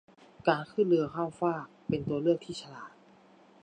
การขึ้นเรือข้ามฟากเป็นตัวเลือกที่ฉลาด